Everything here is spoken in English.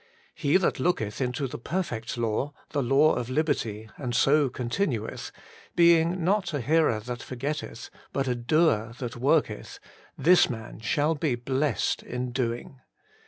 He that looketh into the perfect law, the law of liberty, and so con tinueth, being not a hearer that forgetteth, but a doer that worketh, this man shall be blessed in doing.'